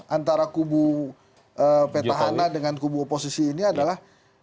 antara kubu petahana dengan kubu oposisi ini adalah